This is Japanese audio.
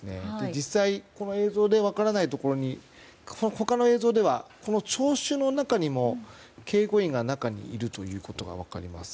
実際、この映像では分からないところに他の映像では聴衆の中にも警護員がいることが分かります。